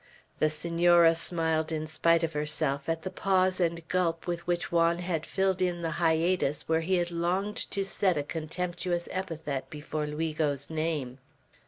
The Senora smiled, in spite of herself, at the pause and gulp with which Juan had filled in the hiatus where he had longed to set a contemptuous epithet before Luigo's name.